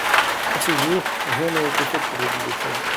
À ce jour, rien n’a été fait pour régler les choses.